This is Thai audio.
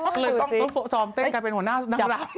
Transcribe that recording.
ก็เลยต้องสอบเต้นกันเป็นหัวหน้านักรัก